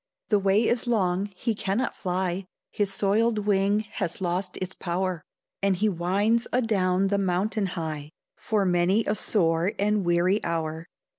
The way is long, he cannot fly, His soiled wing has lost its power, And he winds adown the mountain high, For many a sore and weary hour.